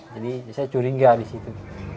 jadi saya curiga di situ